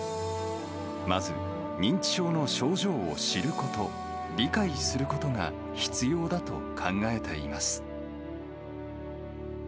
まず、認知症の症状を知ること、理解することが必要だと考えています。